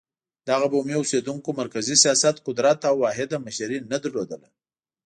دغو بومي اوسېدونکو مرکزي سیاسي قدرت او واحده مشري نه لرله.